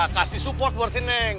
kasih support buat seneng